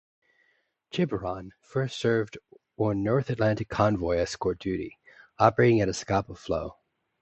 "Quiberon" first served on North Atlantic convoy escort duty, operating out of Scapa Flow.